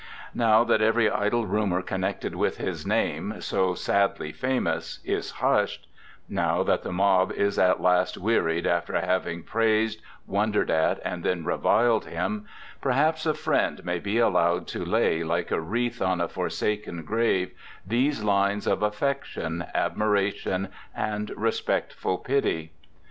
Now that every idle rumour connected with his name, so sadly famous, is hushed; now that the mob is at last wearied after having praised, wondered at, and then reviled him, perhaps, a friend may be allowed to lay, like a wreath on a forsaken grave, these lines of affection, admiration, and respectful pity.